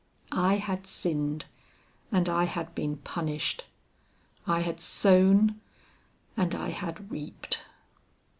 I had sinned, and I had been punished; I had sown, and I had reaped.